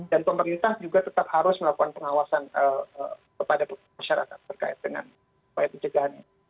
dan pemerintah juga tetap harus melakukan pengawasan kepada masyarakat terkait dengan upaya pencegahan ini